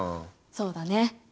そうだね。